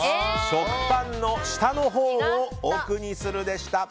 食パンの下の部分を奥にする、でした。